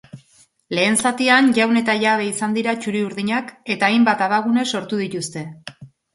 Lehen zatian jaun eta jabe izan dira txuri-urdinak eta hainbat abagune sortu dituzte.